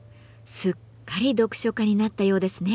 すっかり読書家になったようですね。